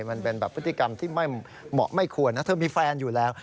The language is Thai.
มันเป็นแบบพฤติกรรมที่ไม่เหมาะไม่ควรนะเธอมีแฟนอยู่แล้ว